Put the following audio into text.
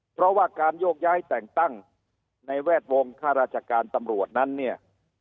เพราะว่าการโยกย้ายแต่งตั้งในแวดวงข้าราชการตำรวจนั้นเนี่ย